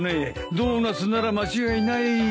ドーナツなら間違いないよ。